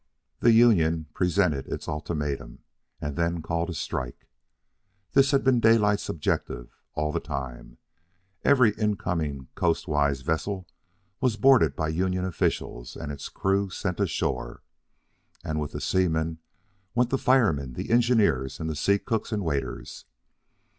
The union presented its ultimatum, and then called a strike. This had been Daylight's objective all the time. Every incoming coastwise vessel was boarded by the union officials and its crew sent ashore. And with the Seamen went the firemen, the engineers, and the sea cooks and waiters.